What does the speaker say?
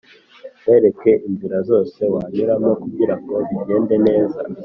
nkwereka inzira zose wanyuramo kugirango bigende neza